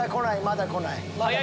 まだ来ない。